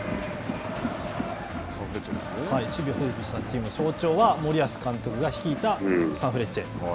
守備を整備したチーム象徴は森保監督が率いたサンフレッチェ。